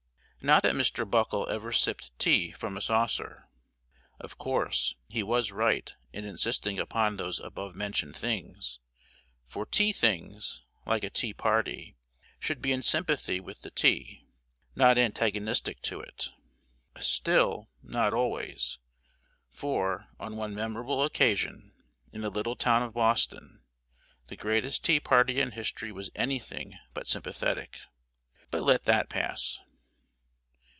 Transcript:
Not that Mr. Buckle ever sipped tea from a saucer. Of course, he was right in insisting upon those above mentioned things, for tea things, like a tea party, should be in sympathy with the tea, not antagonistic to it. Still, not always; for, on one memorable occasion, in the little town of Boston, the greatest tea party in history was anything but sympathetic. But let that pass.